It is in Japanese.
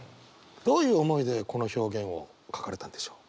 どういう思いでこの表現を書かれたんでしょう？